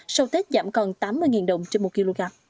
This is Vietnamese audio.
sau tết giảm còn tám mươi đồng trên một kg